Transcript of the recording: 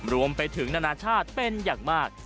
รวมไปถึงนานาชาติเป็นอย่างมาก